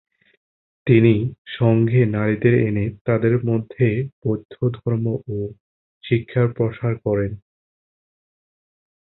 তিনি সংঘে নারীদের এনে তাদের মধ্যে বৌদ্ধ ধর্ম ও শিক্ষার প্রসার করেন।